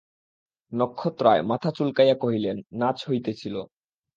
নক্ষত্ররায় মাথা চুলকাইয়া কহিলেন, নাচ হইতেছিল।